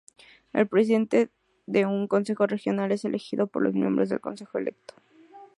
El Presidente de un consejo regional es elegido por los miembros del consejo electo.